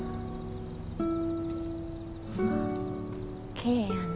きれいやな。